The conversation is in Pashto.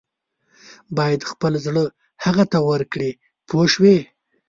باید خپل زړه هغه ته ورکړې پوه شوې!.